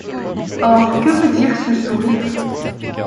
Or que veut dire ce sourire ?